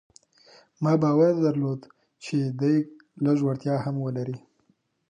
ما باور درلود چې که دی لږ وړتيا هم ولري.